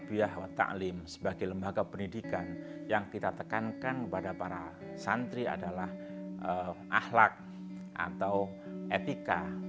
sebagai lembaga pendidikan yang kita tekankan kepada para santri adalah ahlak atau etika